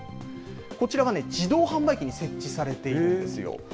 こちらが自動販売機に設置されているんですよ。